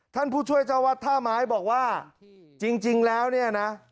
ท่านผู้ช่วยเจ้าวัดท่าไม้บอกว่าจริงแล้วเนี่ยนะ